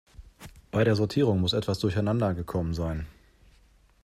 Bei der Sortierung muss etwas durcheinander gekommen sein.